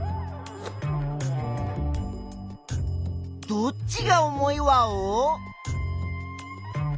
どっちが重いワオ？